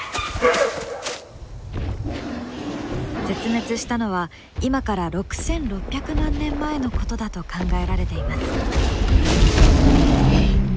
絶滅したのは今から６，６００万年前のことだと考えられています。